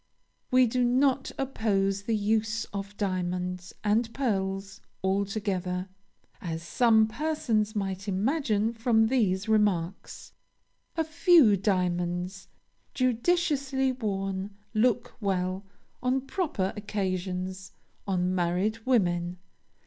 We do not oppose the use of diamonds and pearls altogether, as some persons might imagine from these remarks. A few diamonds, judiciously worn, look well, on proper occasions, on married women.